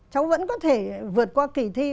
cháu vẫn có thể vượt qua kỳ thi